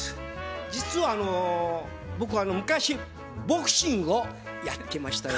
実はあの僕昔ボクシングをやっていましたよ。